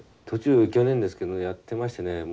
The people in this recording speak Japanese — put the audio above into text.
途中去年ですけどやってましてね